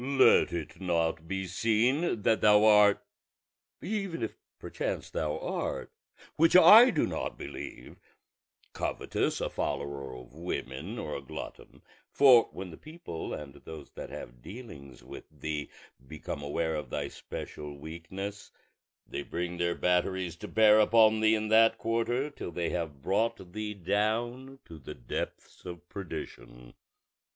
Let it not be seen that thou art (even if perchance thou art, which I do not believe) covetous, a follower of women, or a glutton; for when the people and those that have dealings with thee become aware of thy special weakness they will bring their batteries to bear upon thee in that quarter, till they have brought thee down to the depths of perdition.